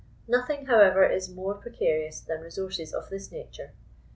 Nothing, however, is more precarious than resources of this nature.